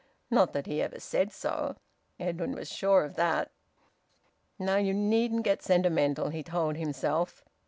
Not that he ever said so Edwin was sure of that! "Now you needn't get sentimental!" he told himself.